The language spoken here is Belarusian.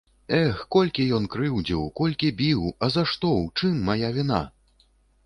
Эх, колькі ён крыўдзіў, колькі біў, а за што, у чым мая віна?